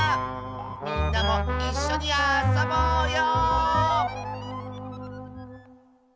みんなもいっしょにあそぼうよ！